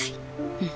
うん。